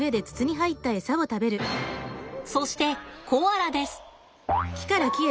そしてコアラです。